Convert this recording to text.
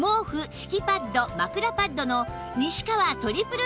敷きパッド枕パッドの西川トリプル